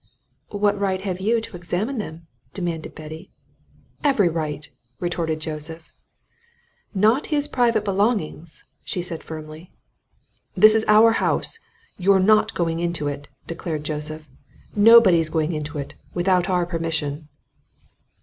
"What right have you to examine them?" demanded Betty. "Every right!" retorted Joseph. "Not his private belongings!" she said firmly. "This is our house you're not going into it," declared Joseph. "Nobody's going into it without our permission."